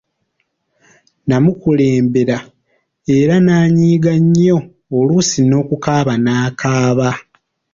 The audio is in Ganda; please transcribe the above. Namukulembera era n’anyiiga nnyo oluusi n'okukaaba nakaaba.